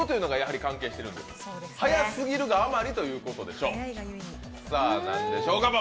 速すぎるあまりということでしょうか。